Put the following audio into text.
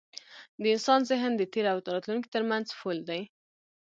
د انسان ذهن د تېر او راتلونکي تر منځ پُل دی.